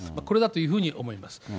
これだというふうに思います。